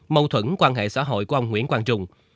mâu thuẫn quan hệ xã hội của ông nguyễn quang trung